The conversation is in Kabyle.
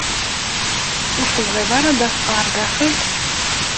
Ur tebɣiḍ ara ad d-taseḍ ɣer daxel?